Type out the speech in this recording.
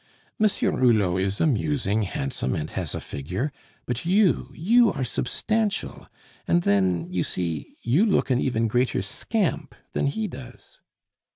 Monsieur Hulot is amusing, handsome, and has a figure; but you, you are substantial, and then you see you look an even greater scamp than he does."